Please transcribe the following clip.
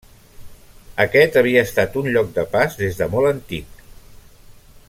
Aquest havia estat un lloc de pas des de molt antic.